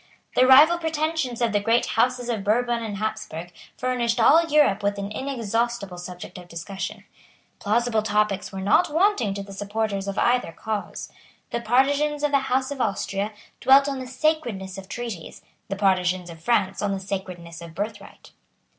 The rival pretensions of the great Houses of Bourbon and Habsburg furnished all Europe with an inexhaustible subject of discussion. Plausible topics were not wanting to the supporters of either cause. The partisans of the House of Austria dwelt on the sacredness of treaties; the partisans of France on the sacredness of birthright.